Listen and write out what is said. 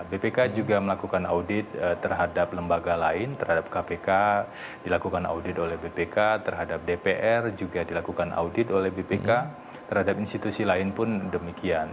bpk juga melakukan audit terhadap lembaga lain terhadap kpk dilakukan audit oleh bpk terhadap dpr juga dilakukan audit oleh bpk terhadap institusi lain pun demikian